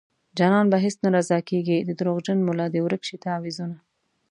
جانان په هيڅ نه رضا کيږي د دروغجن ملا دې ورک شي تعويذونه